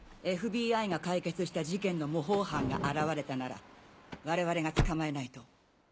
ＦＢＩが解決した事件の模倣犯が現れたなら我々が捕まえないと。